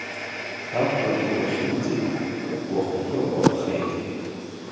Ақәра ду уахьымӡеит, угәахәтәы уаԥхеит.